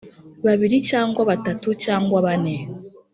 babiri cyangwa batatu cyangwa bane